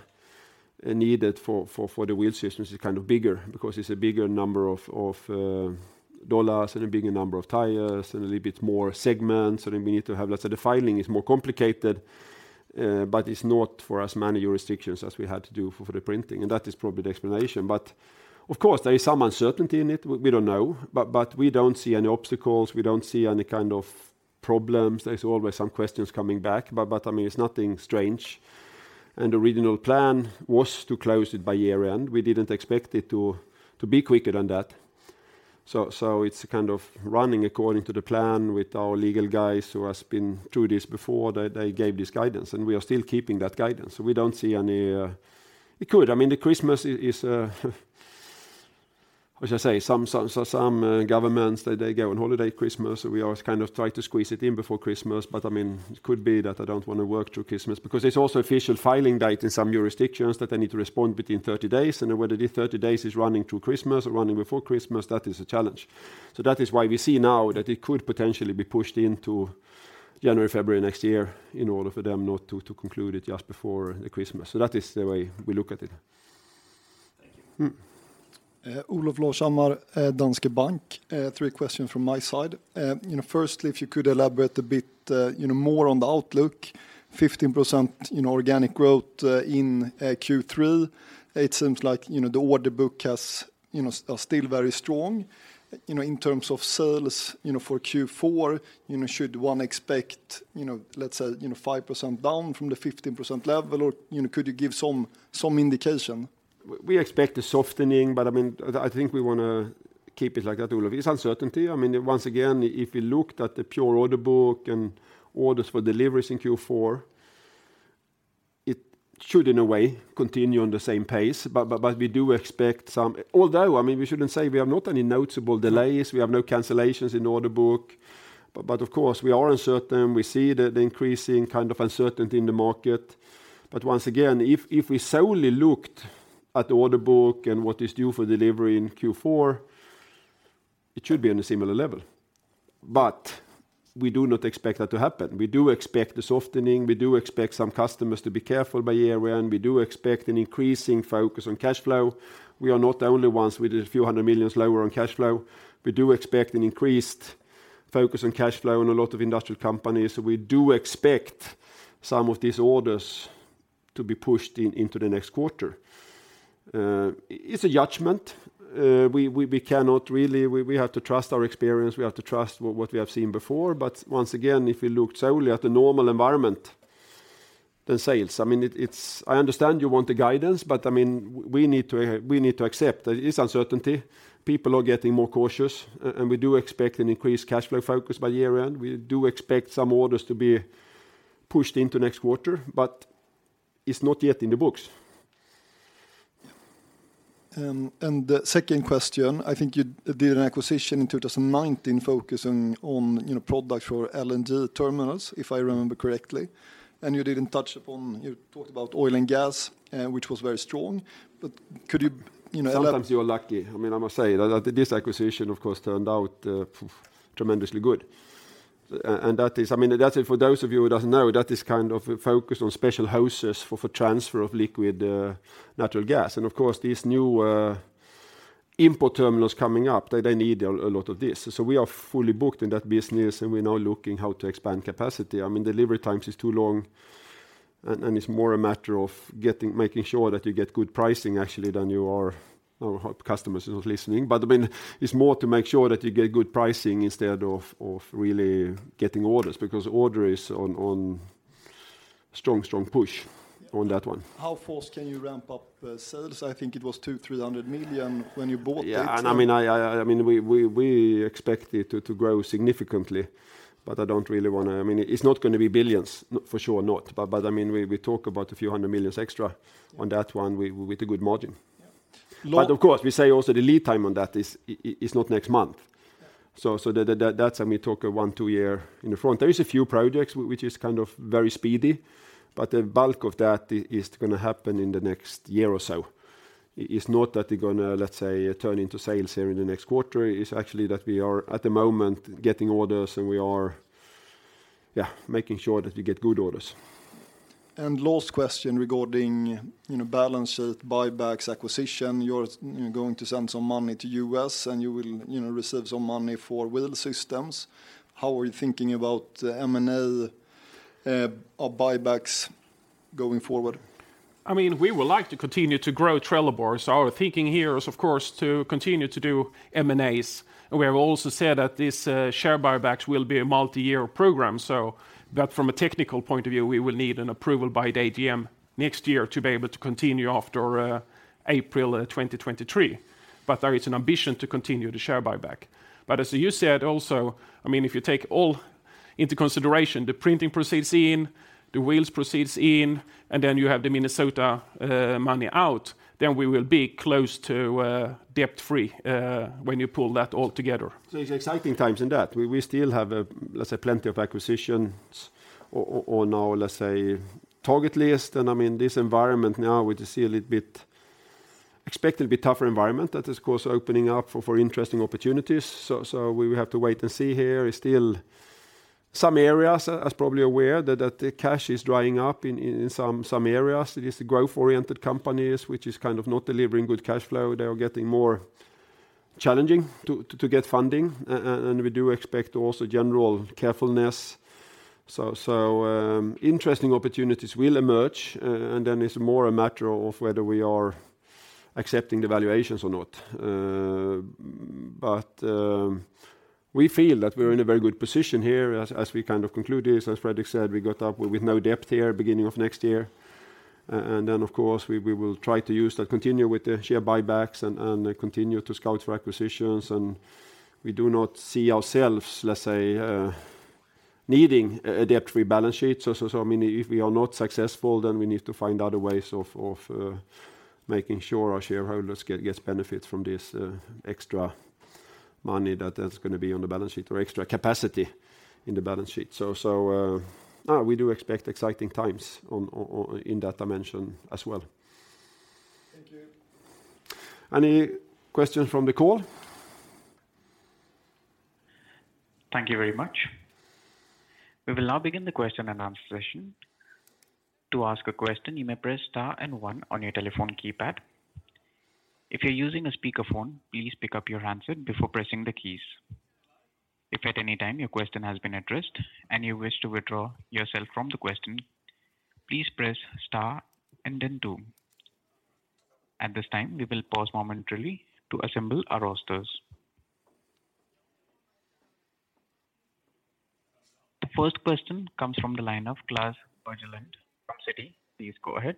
needed for the Wheel Systems is kind of bigger because it's a bigger number of dollars and a bigger number of tires and a little bit more segments, and then we need to have. Let's say the filing is more complicated, but it's not for as many jurisdictions as we had to do for the printing, and that is probably the explanation. Of course, there is some uncertainty in it. We don't know. We don't see any obstacles. We don't see any kind of problems. There's always some questions coming back, but I mean, it's nothing strange. The original plan was to close it by year-end. We didn't expect it to be quicker than that. It's kind of running according to the plan with our legal guys who has been through this before. They gave this guidance, and we are still keeping that guidance. We don't see any. It could. I mean, the Christmas is, how should I say? Some governments, they go on holiday Christmas, so we always kind of try to squeeze it in before Christmas. I mean, it could be that I don't wanna work through Christmas because it's also official filing date in some jurisdictions that they need to respond within 30 days. Whether the 30 days is running through Christmas or running before Christmas, that is a challenge. That is why we see now that it could potentially be pushed into January, February next year in order for them not to conclude it just before the Christmas. That is the way we look at it. Olof Larshammar at Danske Bank. Three questions from my side. Firstly, if you could elaborate a bit, you know, more on the outlook, 15% organic growth in Q3. It seems like the order book has, you know, are still very strong. You know, in terms of sales for Q4, you know, should one expect, you know, let's say 5% down from the 15% level or, you know, could you give some indication? We expect a softening, but I mean, I think we wanna keep it like that, Olof. It's uncertainty. I mean, once again, if you looked at the pure order book and orders for deliveries in Q4, it should in a way continue on the same pace, but we do expect some. Although, I mean, we shouldn't say we have not any noticeable delays, we have no cancellations in order book. Of course we are uncertain, we see the increasing kind of uncertainty in the market. Once again, if we solely looked at the order book and what is due for delivery in Q4, it should be on a similar level. We do not expect that to happen. We do expect a softening, we do expect some customers to be careful by year-end, we do expect an increasing focus on cash flow. We are not the only ones with a few hundred millions lower on cash flow. We do expect an increased focus on cash flow in a lot of industrial companies, so we do expect some of these orders to be pushed into the next quarter. It's a judgment. We cannot really. We have to trust our experience, we have to trust what we have seen before. Once again, if you looked solely at the normal environment, the sales, I mean, it's. I understand you want a guidance, but I mean, we need to accept there is uncertainty. People are getting more cautious and we do expect an increased cash flow focus by the year-end. We do expect some orders to be pushed into next quarter, but it's not yet in the books. The second question, I think you did an acquisition in 2019 focusing on, you know, product for LNG terminals, if I remember correctly, and you didn't touch upon. You talked about oil and gas, which was very strong. Could you know, elaborate? Sometimes you are lucky. I mean, I must say that this acquisition, of course, turned out tremendously good. That is, I mean, that's it, for those of you who doesn't know, that is kind of focused on special hoses for transfer of liquid natural gas. Of course these new import terminals coming up, they need a lot of this. We are fully booked in that business, and we're now looking how to expand capacity. I mean, delivery times is too long and it's more a matter of getting, making sure that you get good pricing actually than you are. Oh, hope customers is not listening. I mean, it's more to make sure that you get good pricing instead of really getting orders, because order is on strong push on that one. How fast can you ramp up sales? I think it was 200 million-300 million when you bought it. Yeah, I mean, we expect it to grow significantly, but I don't really want to. I mean, it's not gonna be billions, for sure not. I mean, we talk about a few hundred million extra on that one with a good margin. Yeah. Of course, we say also the lead time on that is not next month. Yeah. That's when we talk a one, two year in the front. There is a few projects which is kind of very speedy, but the bulk of that is gonna happen in the next year or so. It's not that they're gonna, let's say, turn into sales here in the next quarter, it's actually that we are at the moment getting orders and we are, yeah, making sure that we get good orders. Last question regarding, you know, balance sheet, buybacks, acquisition. You're going to send some money to U.S., and you will, you know, receive some money for Wheel Systems. How are you thinking about M&A or buybacks going forward? I mean, we would like to continue to grow Trelleborg, so our thinking here is, of course, to continue to do M&As. We have also said that this, share buybacks will be a multi-year program, so that from a technical point of view, we will need an approval by the AGM next year to be able to continue after, April, 2023. There is an ambition to continue the share buyback. As you said also, I mean, if you take all into consideration, the printing proceeds in, the wheels proceeds in, and then you have the Minnesota, money out, then we will be close to, debt-free, when you pull that all together. It's exciting times in that. We still have a, let's say plenty of acquisitions on our, let's say target list. I mean, this environment now, we just see a little bit expected to be tougher environment that is, of course, opening up for interesting opportunities. We have to wait and see here. It's still some areas, as probably aware, that the cash is drying up in some areas. It is growth-oriented companies which is kind of not delivering good cash flow, they are getting more challenging to get funding, and we do expect also general carefulness. Interesting opportunities will emerge, and then it's more a matter of whether we are accepting the valuations or not. We feel that we're in a very good position here as we kind of conclude this. As Fredrik said, we got up with no debt here beginning of next year. Of course, we will try to use that, continue with the share buybacks and continue to scout for acquisitions. We do not see ourselves, let's say, needing a debt-free balance sheet. I mean, if we are not successful, then we need to find other ways of making sure our shareholders get benefits from this extra money that is gonna be on the balance sheet or extra capacity in the balance sheet. No, we do expect exciting times in that dimension as well. Thank you. Any questions from the call? Thank you very much. We will now begin the question and answer session. To ask a question, you may press star and one on your telephone keypad. If you're using a speakerphone, please pick up your handset before pressing the keys. If at any time your question has been addressed and you wish to withdraw yourself from the question, please press star and then two. At this time, we will pause momentarily to assemble our rosters. The first question comes from the line of Klas Bergelind from Citi. Please go ahead.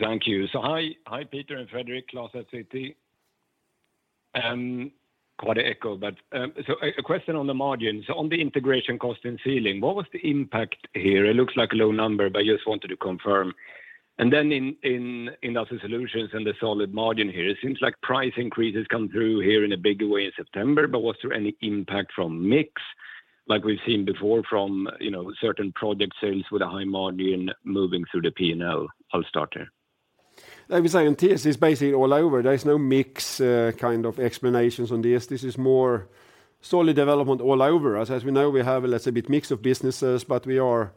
Thank you. Hi, Peter and Fredrik, Klas at Citi. Quite an echo, but a question on the margin. On the integration cost and sealing, what was the impact here? It looks like a low number, but I just wanted to confirm. In Industrial Solutions and the solid margin here, it seems like price increases come through here in a bigger way in September. Was there any impact from mix like we've seen before from, you know, certain project sales with a high margin moving through the P&L? I'll start there. I would say in this, it's basically all over. There is no mix kind of explanations on this. This is more solid development all over. We know, we have, let's say, a bit of a mix of businesses, but we are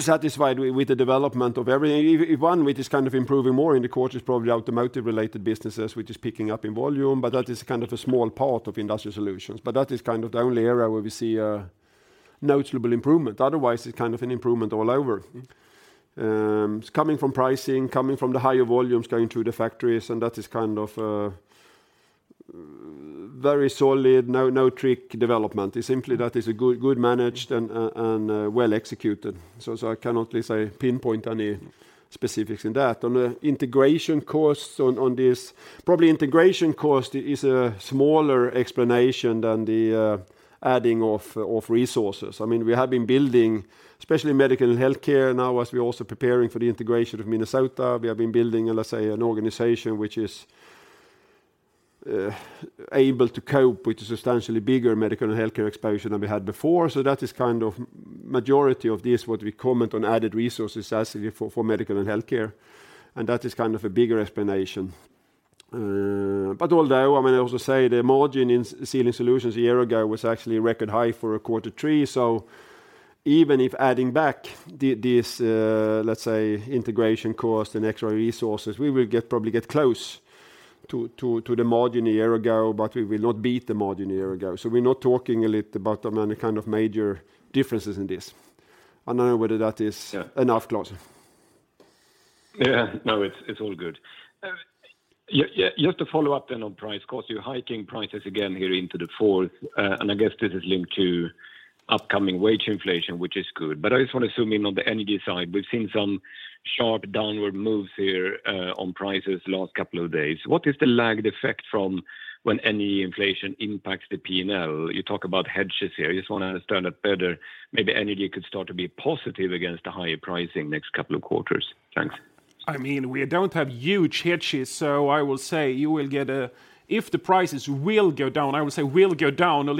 satisfied with the development of every one. One which is kind of improving more in the quarter is probably automotive related businesses, which is picking up in volume. That is kind of a small part of Industrial Solutions. That is kind of the only area where we see a notable improvement. Otherwise, it's kind of an improvement all over. It's coming from pricing, coming from the higher volumes going through the factories, and that is kind of very solid, no trick development. It's simply that it is a well managed and well executed. I cannot really pinpoint any specifics in that. On the integration costs on this, probably integration cost is a smaller explanation than the adding of resources. I mean, we have been building, especially Medical and Healthcare now, as we're also preparing for the integration of Minnesota. We have been building, let's say, an organization which is able to cope with a substantially bigger medical and healthcare exposure than we had before. That is kind of majority of this, what we comment on added resources as for Medical and Healthcare, and that is kind of a bigger explanation. But although, I mean, I also say the margin in Sealing Solutions a year ago was actually record high for a quarter three. Even if adding back this, let's say integration cost and extra resources, we will probably get close to the margin a year ago, but we will not beat the margin a year ago. We're not talking a lot about any kind of major differences in this. I don't know whether that is. Yeah. Enough, Klas. Yeah. No, it's all good. Just to follow up then on price cost, you're hiking prices again here into the fourth, and I guess this is linked to upcoming wage inflation, which is good. I just wanna zoom in on the energy side. We've seen some sharp downward moves here on prices last couple of days. What is the lagged effect from when any inflation impacts the P&L? You talk about hedges here. I just wanna understand that better. Maybe energy could start to be positive against the higher pricing next couple of quarters. Thanks. I mean, we don't have huge hedges, so I will say you will get. If the prices will go down, I would say a little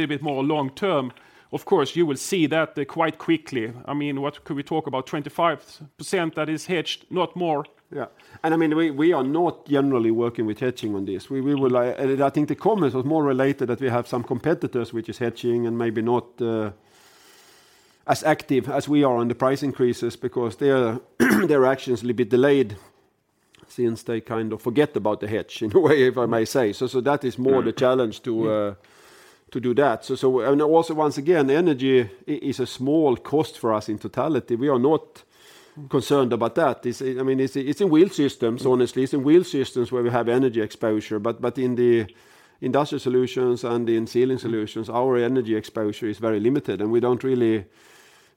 bit more long term, of course, you will see that quite quickly. I mean, what could we talk about? 25% that is hedged, not more. Yeah. I mean, we are not generally working with hedging on this. I think the comment was more related that we have some competitors which is hedging and maybe not as active as we are on the price increases because their action is a little bit delayed since they kind of forget about the hedge in a way, if I may say. That is more the challenge to do that. Also once again, energy is a small cost for us in totality. We are not concerned about that. This, I mean, it's in Wheel Systems, honestly. It's in Wheel Systems where we have energy exposure. In the Industrial Solutions and in Sealing Solutions, our energy exposure is very limited, and we don't really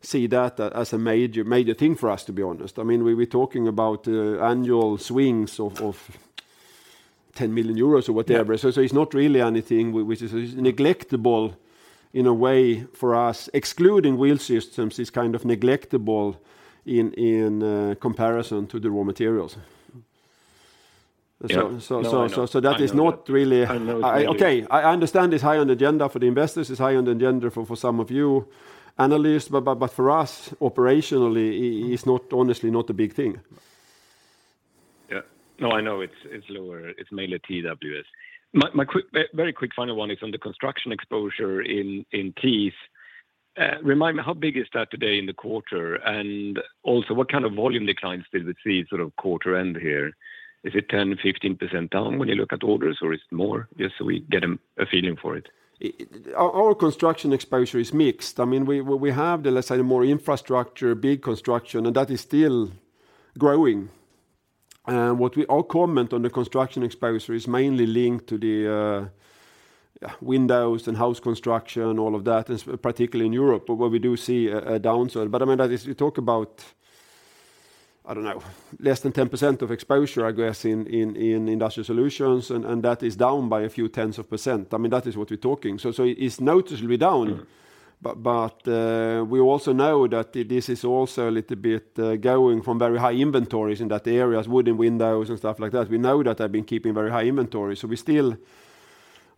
see that as a major thing for us, to be honest. I mean, we're talking about annual swings of 10 million euros or whatever. Yeah. It's not really anything which is negligible in a way for us. Excluding Wheel Systems is kind of negligible in comparison to the raw materials. Yeah. No, I know. I know that. That is not really. I know it really. Okay. I understand it's high on the agenda for the investors. It's high on the agenda for some of you analysts, but for us operationally it's not, honestly not a big thing. Yeah. No, I know it's lower. It's mainly TWS. Very quick final one is on the construction exposure in TIS. Remind me, how big is that today in the quarter? Also what kind of volume declines did we see sort of quarter end here? Is it 10%-15% down when you look at orders, or is it more? Just so we get a feeling for it. Our construction exposure is mixed. I mean, we have, let's say, more infrastructure, big construction, and that is still growing. What we all comment on the construction exposure is mainly linked to the windows and house construction, all of that, particularly in Europe, but where we do see a downside. I mean, we talk about, I don't know, less than 10% of exposure, I guess, in Industrial Solutions, and that is down by a few tenths of percent. I mean, that is what we're talking. It's noticeably down. Sure. We also know that this is also a little bit going from very high inventories in that areas, wooden windows and stuff like that. We know that I've been keeping very high inventory, so we still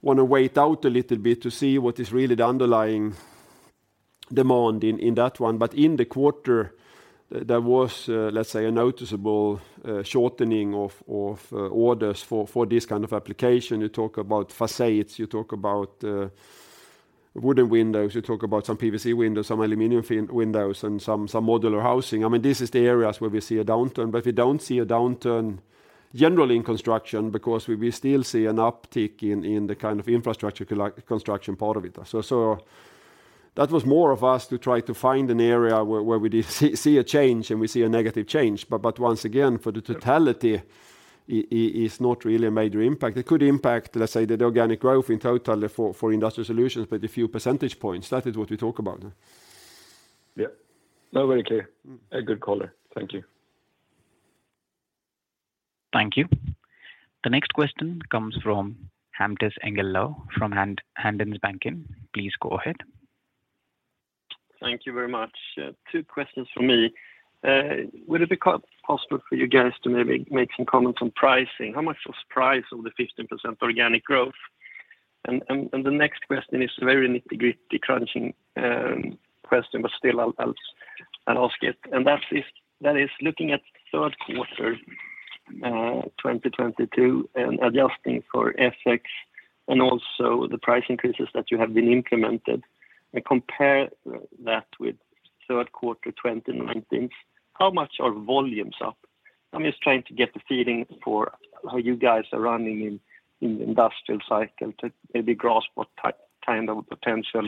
wanna wait out a little bit to see what is really the underlying demand in that one. In the quarter there was, let's say, a noticeable shortening of orders for this kind of application. You talk about facades, you talk about wooden windows, you talk about some PVC windows, some aluminum windows, and some modular housing. I mean, this is the areas where we see a downturn, but we don't see a downturn generally in construction because we will still see an uptick in the kind of infrastructure construction part of it. That was more of us to try to find an area where we did see a change and we see a negative change. Once again, for the totality it's not really a major impact. It could impact, let's say, the organic growth in total for Industrial Solutions, but a few percentage points. That is what we talk about. Yeah. No, very clear. A good color. Thank you. Thank you. The next question comes from Hampus Engellau from Handelsbanken. Please go ahead. Thank you very much. Two questions from me. Would it be possible for you guys to maybe make some comments on pricing? How much was pricing of the 15% organic growth? The next question is very nitty-gritty crunching question, but still I'll ask it, and that is looking at third quarter 2022 and adjusting for FX and also the price increases that you have been implemented, and compare that with third quarter 2019, how much are volumes up? I'm just trying to get the feeling for how you guys are running in the industrial cycle to maybe grasp what kind of potential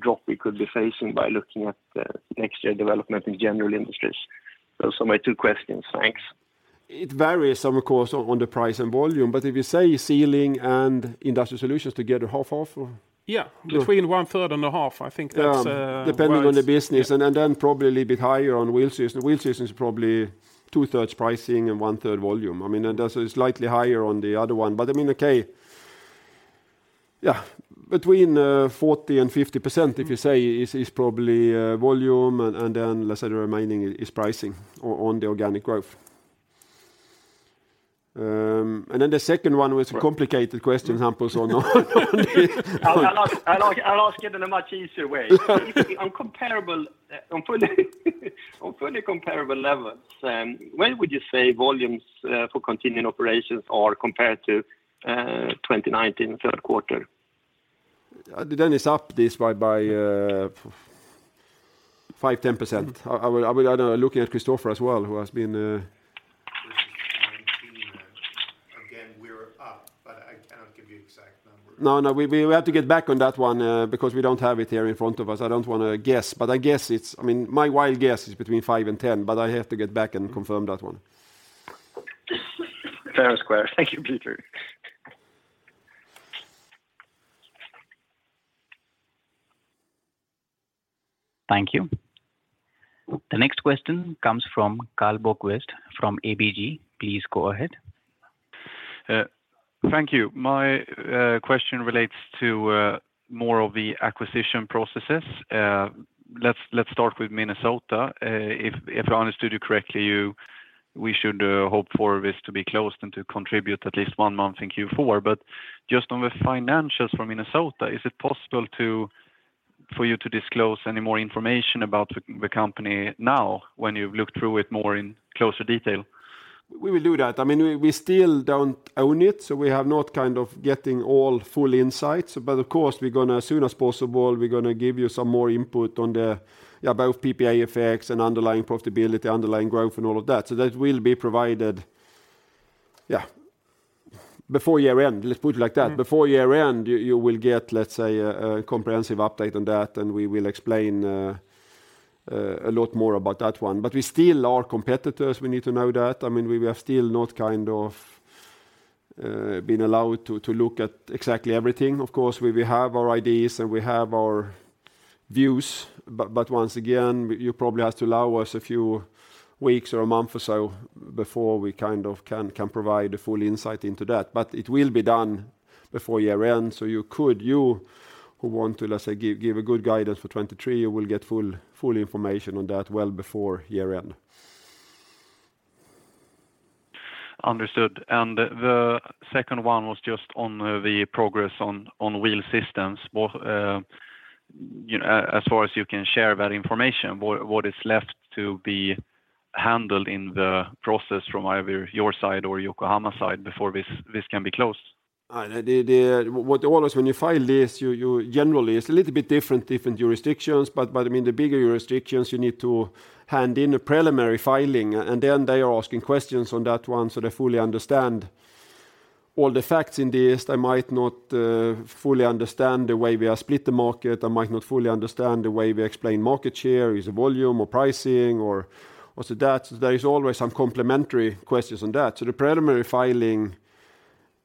drop we could be facing by looking at the next year development in general industries. Those are my two questions. Thanks. It varies of course, on the price and volume. If you say Sealing and Industrial Solutions together, half? Yeah. Between one third and a half, I think that's. Depending on the business. Yeah. Probably a little bit higher on Wheel Systems. Wheel Systems probably 2/3 pricing and 1/3 Volume. I mean, and that's slightly higher on the other one. I mean, okay, yeah, between 40% and 50%, if you say, is probably volume and then let's say the remaining is pricing on the organic growth. The second one was a complicated question, Hampus, or no. I'll ask it in a much easier way. On fully comparable levels, where would you say volumes for continuing operations are compared to 2019 third quarter? It's up this by 5%-10%. I don't know, looking at Christofer as well, who has been Versus 2019, again, we're up, but I don't give you exact numbers. No, no. We have to get back on that one, because we don't have it here in front of us. I don't want to guess. I guess it's. I mean, my wild guess is between five and 10, but I have to get back and confirm that one. Fair and square. Thank you, Peter. Thank you. The next question comes from Karl Bokvist from ABG. Please go ahead. Thank you. My question relates to more of the acquisition processes. Let's start with Minnesota. If I understood you correctly, we should hope for this to be closed and to contribute at least one month in Q4. Just on the financials for Minnesota, is it possible for you to disclose any more information about the company now when you've looked through it more in closer detail? We will do that. I mean, we still don't own it, so we have not kind of getting all full insights. Of course, we're gonna as soon as possible, we're gonna give you some more input on the both PPA effects and underlying profitability, underlying growth and all of that. That will be provided before year-end, let's put it like that. Before year-end, you will get, let's say, a comprehensive update on that, and we will explain a lot more about that one. We still are competitors, we need to know that. I mean, we are still not kind of been allowed to look at exactly everything. Of course, we have our ideas, and we have our views, but once again, you probably have to allow us a few weeks or a month or so before we kind of can provide a full insight into that. It will be done before year-end. You could, you who want to, let's say, give a good guidance for 2023, you will get full information on that well before year-end. Understood. The second one was just on the progress on Wheel Systems. What, you know, as far as you can share that information, what is left to be handled in the process from either your side or Yokohama side before this can be closed? What always when you file this, you generally it's a little bit different jurisdictions, but I mean, the bigger jurisdictions, you need to hand in a preliminary filing, and then they are asking questions on that one, so they fully understand all the facts in this. They might not fully understand the way we have split the market. They might not fully understand the way we explain market share, is it volume or pricing or so that. There is always some complementary questions on that. The preliminary filing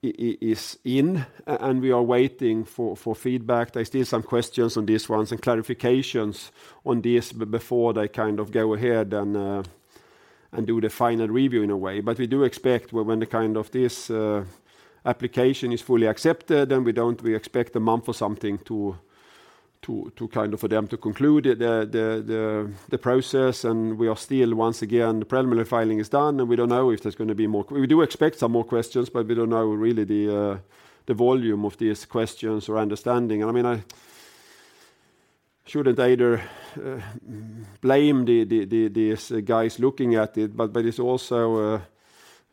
is in, and we are waiting for feedback. There's still some questions on these ones and clarifications on this before they kind of go ahead and do the final review in a way. We do expect when the kind of this application is fully accepted, we expect a month or something to kind of for them to conclude the process. We are still, once again, the preliminary filing is done, and we don't know if there's gonna be more. We do expect some more questions, but we don't know really the volume of these questions or understanding. I mean, I shouldn't either blame these guys looking at it, but it's also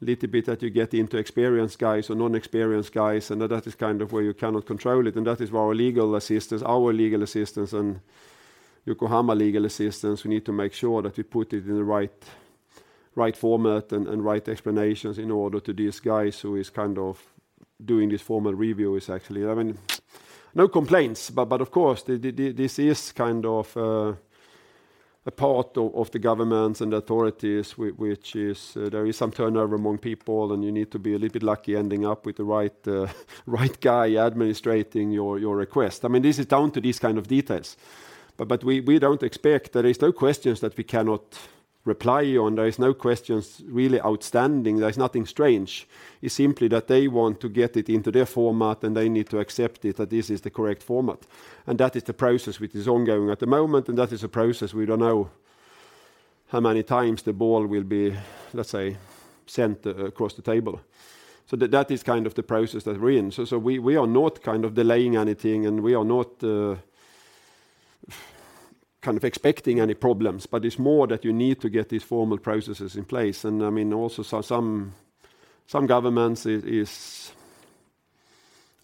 a little bit that you get into experienced guys or non-experienced guys, and that is kind of where you cannot control it. That is where our legal assistance and Yokohama legal assistance, we need to make sure that we put it in the right format and right explanations in order to these guys who is kind of doing these formal reviews actually. I mean, no complaints, but of course this is kind of a part of the governments and authorities which is there is some turnover among people, and you need to be a little bit lucky ending up with the right guy administrating your request. I mean, this is down to these kind of details. We don't expect. There is no questions that we cannot reply on. There is no questions really outstanding. There's nothing strange. It's simply that they want to get it into their format, and they need to accept it that this is the correct format. That is the process which is ongoing at the moment, and that is a process we don't know how many times the ball will be, let's say, sent across the table. That is kind of the process that we're in. We are not kind of delaying anything, and we are not kind of expecting any problems, but it's more that you need to get these formal processes in place. I mean, also some governments is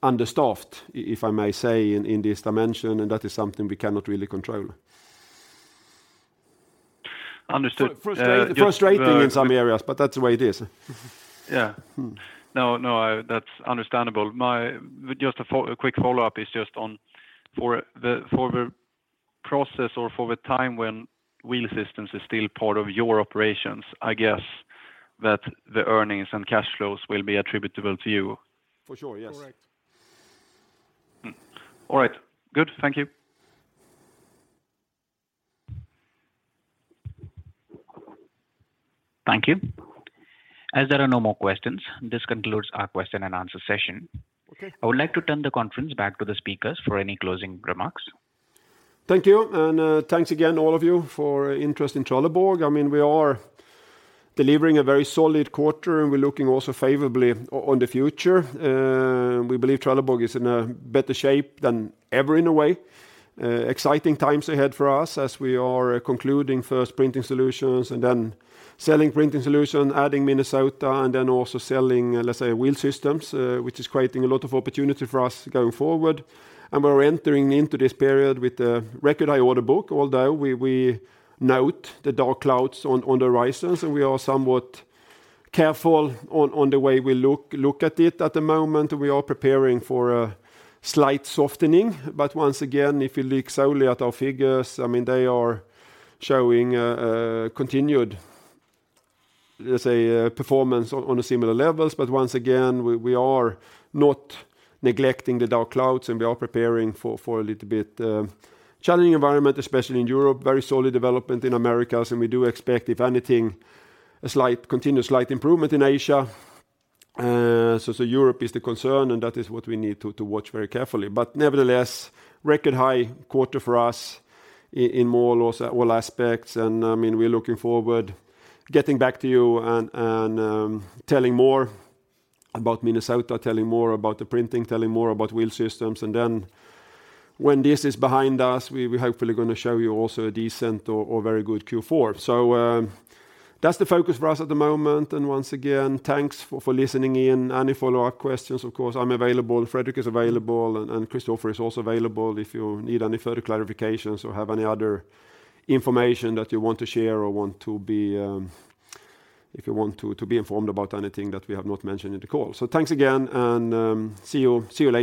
understaffed, if I may say, in this dimension, and that is something we cannot really control. Understood. Frustrating in some areas, but that's the way it is. Yeah. No, no, that's understandable. Just a quick follow-up is just on for the process or for the time when Wheel Systems is still part of your operations. I guess that the earnings and cash flows will be attributable to you. For sure, yes. Correct. All right. Good. Thank you. Thank you. As there are no more questions, this concludes our question and answer session. Okay. I would like to turn the conference back to the speakers for any closing remarks. Thank you. Thanks again all of you for your interest in Trelleborg. I mean, we are delivering a very solid quarter, and we're looking also favorably on the future. We believe Trelleborg is in a better shape than ever in a way. Exciting times ahead for us as we are concluding first Printing Solutions and then selling Printing Solutions, adding Minnesota, and then also selling, let's say, Wheel Systems, which is creating a lot of opportunity for us going forward. We're entering into this period with a record high order book, although we note the dark clouds on the horizons, and we are somewhat careful on the way we look at it at the moment. We are preparing for a slight softening. Once again, if you look solely at our figures, I mean, they are showing continued, let's say, performance on a similar levels. Once again, we are not neglecting the dark clouds, and we are preparing for a little bit challenging environment, especially in Europe. Very solid development in Americas, and we do expect, if anything, a slight continuous improvement in Asia. So Europe is the concern, and that is what we need to watch very carefully. Nevertheless, record high quarter for us in more or less all aspects, and, I mean, we're looking forward getting back to you and telling more about Minnesota, telling more about the Printing, telling more about Wheel Systems. Then when this is behind us, we hopefully gonna show you also a decent or very good Q4. That's the focus for us at the moment. Once again, thanks for listening in. Any follow-up questions, of course, I'm available, Fredrik is available, and Christofer is also available if you need any further clarifications or have any other information that you want to share or if you want to be informed about anything that we have not mentioned in the call. Thanks again and see you later.